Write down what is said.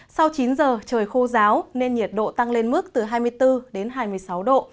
sau chín giờ trời khô ráo nên nhiệt độ tăng lên mức từ hai mươi bốn đến hai mươi sáu độ